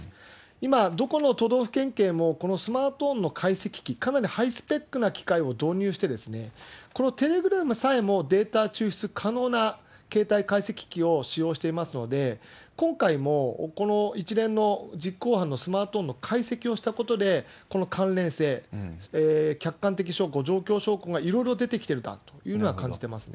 今、どこの都道府県警もこのスマートフォンの解析器、かなりハイスペックな機械を導入して、このテレグラムさえもデータ抽出可能な携帯解析機を使用していますので、今回もこの一連の実行犯のスマートフォンの解析をしたことで、この関連性、客観的証拠、状況証拠がいろいろ出てきたというのは感じてますね。